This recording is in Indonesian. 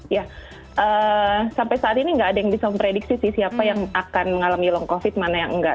ya sampai saat ini nggak ada yang bisa memprediksi sih siapa yang akan mengalami long covid mana yang enggak